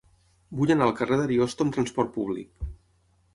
Vull anar al carrer d'Ariosto amb trasport públic.